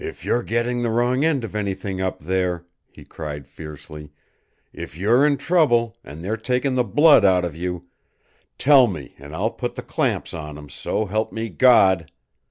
"If you're getting the wrong end of anything up there," he cried fiercely; "if you're in trouble, and they're taking the blood out of you tell me and I'll put the clamps on 'em, so 'elp me God!